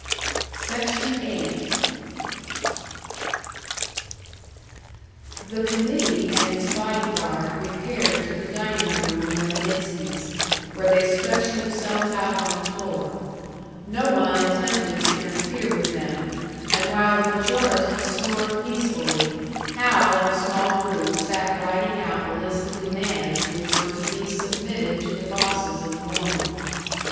The committee and its body guard repaired to the dining room of Reminitsky's, where they stretched themselves out on the floor; no one attempted to interfere with them, and while the majority snored peacefully, Hal and a small group sat writing out the list of demands which were to be submitted to the bosses in the morning.